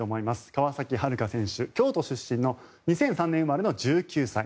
川崎春花選手、京都出身の２００３年生まれの１９歳。